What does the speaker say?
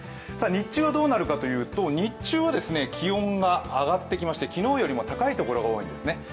日中はどうなるかというと、気温が上がってきまして、昨日よりも高いところが多いんですね。